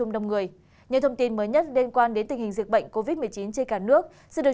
dịch nhiều thông tin mới nhất liên quan đến tình hình dịch bệnh covid một mươi chín trên cả nước sẽ được